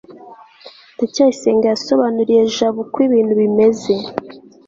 ndacyayisenga yasobanuriye jabo uko ibintu bimeze